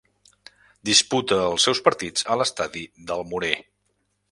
Disputa els seus partits a l'estadi del Morer.